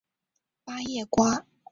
八叶瓜